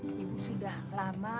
ibu sudah lama